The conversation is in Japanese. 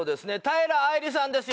平愛梨さんです